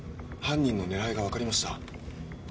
犯人のねらいがわかりました。